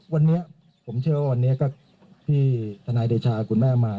วันเนี่ยผมเชื่อว่าที่ทนายเดชากุญแม่มา